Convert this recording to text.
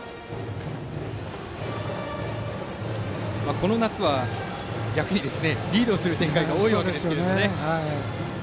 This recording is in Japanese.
この夏は、逆にリードする展開が多いわけですけれどもね。